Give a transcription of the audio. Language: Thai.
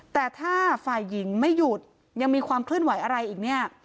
แต่ถ้าฝ่ายหญิงไม่หยุดยังมีความเคลื่อนไหวอะไรอีกเนี่ย